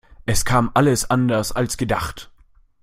Es kam alles anders als gedacht.